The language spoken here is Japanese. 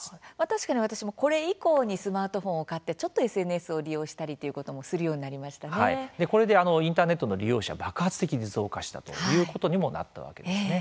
確かに私もこれ以降にスマートフォンを買ってちょっとＳＮＳを利用したりということもこれでインターネットの利用者、爆発的に増加したということにもなったわけですね。